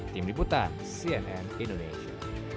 tim liputan cnn indonesia